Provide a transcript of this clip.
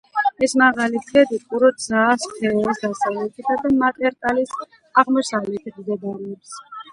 ეს მაღალი ქედი კურორტ ზაას-ფეეს დასავლეთითა და მატერტალის აღმოსავლეთით მდებარეობს.